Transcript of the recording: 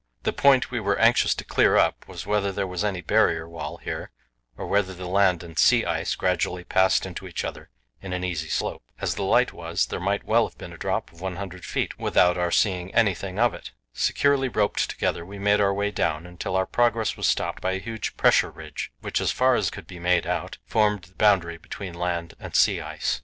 The point we were anxious to clear up was whether there was any Barrier wall here, or whether the land and sea ice gradually passed into each other in an easy slope. As the light was, there might well have been a drop of 100 feet without our seeing anything of it. Securely roped together we made our way down, until our progress was stopped by a huge pressure ridge, which, as far as could be made out, formed the boundary between land and sea ice.